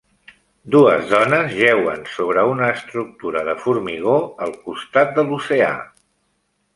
Dues dones jeuen sobre una estructura de formigó al costat de l'oceà.